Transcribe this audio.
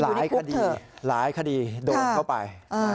หลายคดีหลายคดีโดนเข้าไป